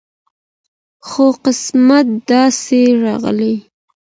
خو قسمت داسي راغلی